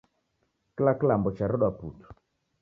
Kila kilambo charedwa putu